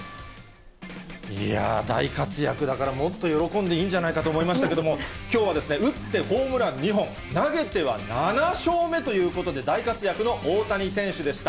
いやー、大活躍だから、もっと喜んでいいんじゃないかと思いましたけれども、きょうは打ってホームラン２本、投げては７勝目ということで、大活躍の大谷選手でした。